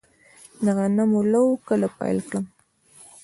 د غنمو لو کله پیل کړم؟